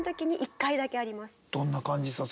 どんな感じさ？